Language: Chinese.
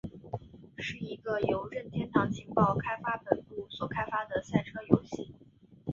是一个由任天堂情报开发本部所开发的赛车游戏。